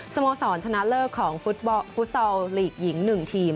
โมสรชนะเลิศของฟุตซอลลีกหญิง๑ทีม